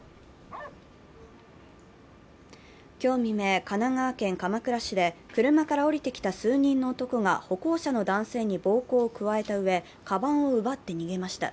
今日未明、神奈川県鎌倉市で車から降り来てた数人の男が歩行者の男性に暴行を加えたうえかばんを奪って逃げました。